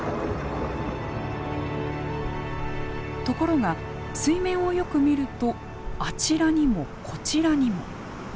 ところが水面をよく見るとあちらにもこちらにも。